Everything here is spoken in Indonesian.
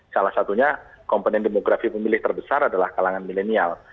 salah satunya komponen demografi pemilih terbesar adalah kalangan milenial